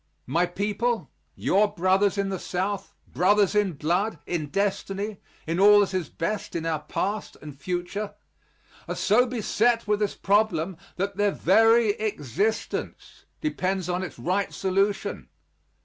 My people, your brothers in the South brothers in blood, in destiny, in all that is best in our past and future are so beset with this problem that their very existence depends on its right solution.